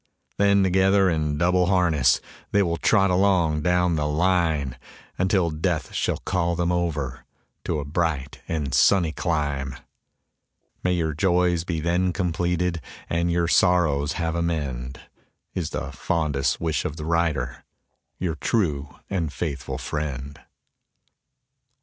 Then together in double harness They will trot along down the line, Until death shall call them over To a bright and sunny clime. May your joys be then completed And your sorrows have amend, Is the fondest wish of the writer, Your true and faithful friend.